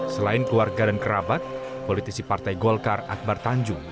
selain keluarga dan kerabat politisi partai golkar akbar tanjung